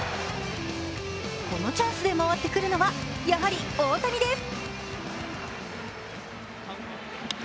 このチャンスで回ってくるのはやはり大谷です。